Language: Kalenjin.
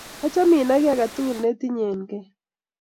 Achamin ak kiy aketukul netinyeninkey .